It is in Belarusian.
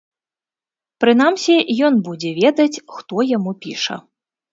Прынамсі, ён будзе ведаць, хто яму піша.